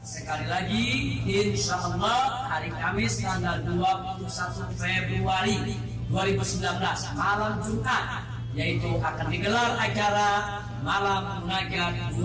sekali lagi di insyaallah hari kamis dua puluh satu februari dua ribu sembilan belas malam juga yaitu akan digelar acara malam menaga dua ratus dua belas